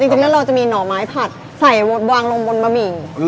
จริงแล้วเราจะมีหน่อไม้ผัดใส่วางลงบนบะหมี่